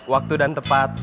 waktu dan tepat